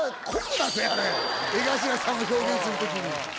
江頭さんを表現する時に。